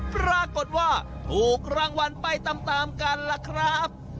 ปรากฏว่าถูกรางวัลไปตามกันล่ะครับ